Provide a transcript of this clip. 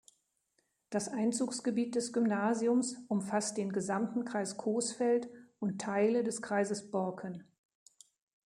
Das Einzugsgebiet des Gymnasiums umfasst den gesamten Kreis Coesfeld und Teile des Kreises Borken.